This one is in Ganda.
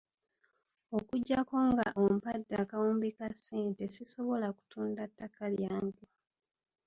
Okuggyako nga ompadde akawumbi ka ssente, sisobola kutunda ttaka lyange.